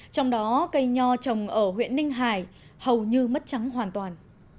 trong đó cây nho trồng ở huyện ninh hải hầu như mất trắng hoàn toàn